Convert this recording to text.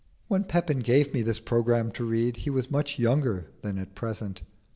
When Pepin gave me this programme to read he was much younger than at present.